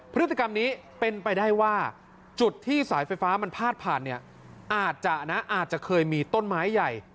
พฤติกรรมนี้เป็นไปได้ว่าจุดที่สายไฟฟ้ามันพาดผ่านเนี่ยอาจจะนะอาจจะเคยมีต้นไม้ใหญ่